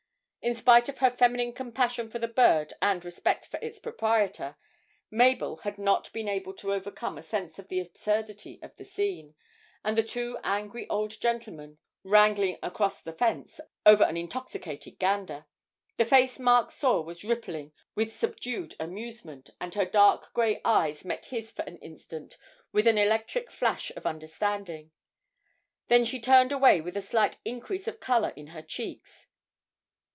In spite of her feminine compassion for the bird and respect for its proprietor, Mabel had not been able to overcome a sense of the absurdity of the scene, with the two angry old gentlemen wrangling across the fence over an intoxicated gander; the face Mark saw was rippling with subdued amusement, and her dark grey eyes met his for an instant with an electric flash of understanding; then she turned away with a slight increase of colour in her cheeks.